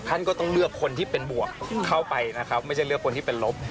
ท่านก็ต้องเลือกคนที่เป็นบวกเข้าไปนะครับไม่ใช่เลือกคนที่เป็นลบ